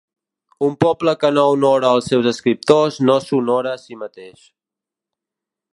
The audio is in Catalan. Un poble que no honora els seus escriptors no s'honora a si mateix.